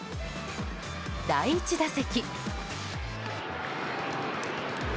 第１打席。